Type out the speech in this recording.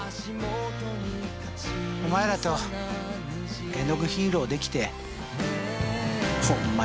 お前らとえのぐヒーローできてホンマ